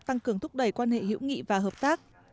tăng cường thúc đẩy quan hệ hữu nghị và hợp tác